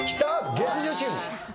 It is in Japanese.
月１０チーム。